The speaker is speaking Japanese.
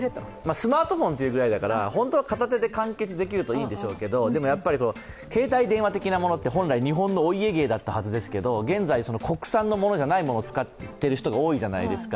スマートフォンと言うぐらいだから、本当は片手で完結できるといいんでしょうけど、でもやっぱり、携帯電話的なものって、本来日本のお家芸だったはずですけど現在、国産のものじゃないものを使っている人が多いじゃないですか。